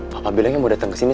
papa bilang yang mau datang kesini